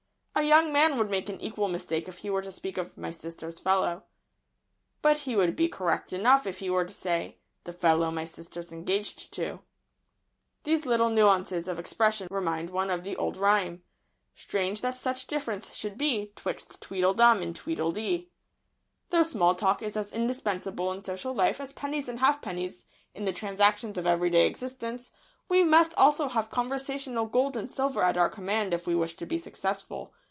A young man would make an equal mistake if he were to speak of "my sister's fellow." But he would be correct enough if he were to say "the fellow my sister's engaged to." [Sidenote: "Tweedledum and tweedledee."] These little =nuances= of expression remind one of the old rhyme "Strange that such difference should be 'Twixt tweedledum and tweedledee." [Sidenote: Small talk alone will not suffice.] Though small talk is as indispensable in social life as pennies and halfpennies in the transactions of everyday existence, we must also have conversational gold and silver at our command if we wish to be successful.